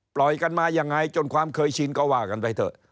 ปล่อยกันมายังไงจนความเคยชินก็ว่ากันไปเถอะ